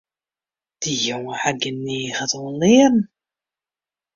Dy jonge hat gjin niget oan learen.